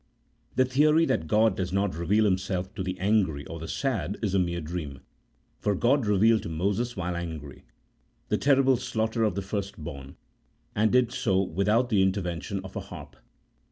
The theory that G od does not reveal Himself to the angry or the sad, is a mere dream : OHAP. II.] OF PROPHETS. 31 for God revealed to Moses while angry, the terrible slaughter of the firstborn, and did so without the interven tion of a harp.